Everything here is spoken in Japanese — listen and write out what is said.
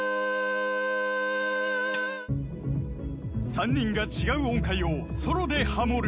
［３人が違う音階をソロでハモる］